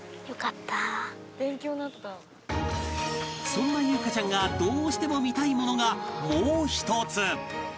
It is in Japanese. そんな裕加ちゃんがどうしても見たいものがもう一つ